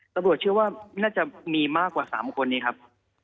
ตำรวจเชื่อว่าน่าจะมีมากกว่า๓คนนี้ครับ